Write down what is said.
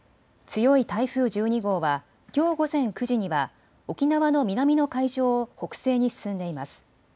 強い台風１２号はきょう午前９時には沖縄の南の海上を北西に進んでいます。